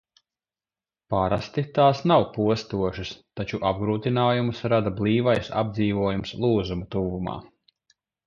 Parasti tās nav postošas, taču apgrūtinājumus rada blīvais apdzīvojums lūzuma tuvumā.